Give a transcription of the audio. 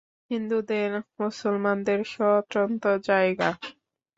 হিন্দুদের মুসলমানদের স্বতন্ত্র জায়গা।